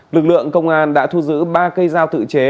lực lượng công an đã thu giữ ba cây dao tự chế